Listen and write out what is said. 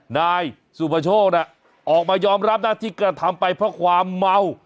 นายสุประโชคออกมายอมรับนะที่กระทำไปเพราะความเมา